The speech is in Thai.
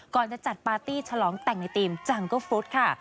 ก่อนจะจัดปาร์ตี้ฉลองแต่งในธีมจังเกอร์ฟุตค่ะ